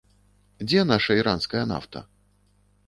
Дзе наша іранская нафта?